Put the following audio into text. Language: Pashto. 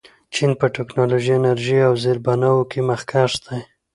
چین په ټیکنالوژۍ، انرژۍ او زیربناوو کې مخکښ دی.